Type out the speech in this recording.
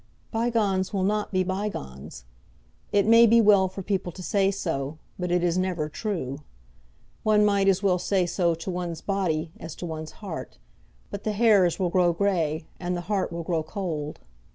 "Bygones will not be bygones. It may be well for people to say so, but it is never true. One might as well say so to one's body as to one's heart. But the hairs will grow grey, and the heart will grow cold."